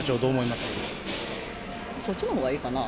そっちのほうがいいかな？